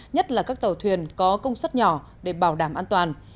nhất là các tàu thuyền có công suất nhỏ để bảo đảm an toàn